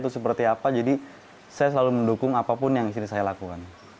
itu seperti apa jadi saya selalu mendukung apapun yang istri saya lakukan